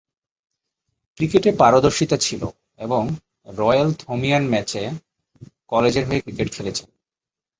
ক্রিকেটে পারদর্শিতা ছিলো এবং রয়েল-থোমিয়ান ম্যাচে কলেজের হয়ে ক্রিকেট খেলেছেন।